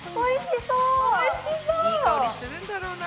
いい香りするんだろうな。